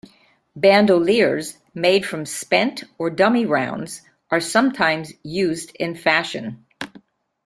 Bandoliers made from spent or dummy rounds are sometimes used in fashion.